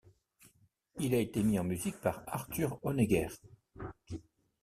Il a été mis en musique par Arthur Honegger.